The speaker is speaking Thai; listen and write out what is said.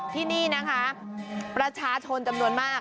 ที่นี่นะคะประชาชนจำนวนมาก